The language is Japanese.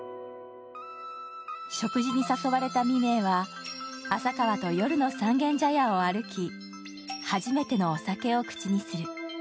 食事に誘われた未明は、朝川と夜の三軒茶屋を歩き、初めてのお酒を口にする。